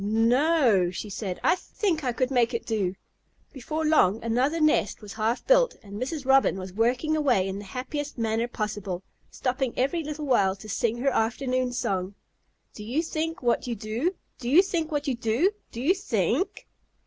"No o," she said. "I think I could make it do." Before long another nest was half built, and Mrs. Robin was working away in the happiest manner possible, stopping every little while to sing her afternoon song: "Do you think what you do? Do you think what you do? Do you thi ink?"